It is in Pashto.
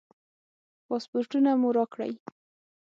پاسپورټونه مو راکړئ.